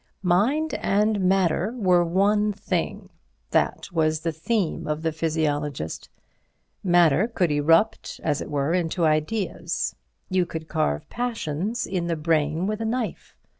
Mind and matter were one thing, that was the theme of the physiologist. Matter could erupt, as it were, into ideas. You could carve passions in the brain with a knife.